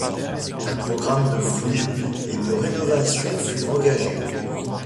Un programme de fouilles et de rénovation fut engagé.